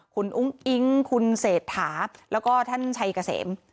คุณอุ้งอิ๊งคุณเศรษฐาแล้วก็ท่านชัยเกษม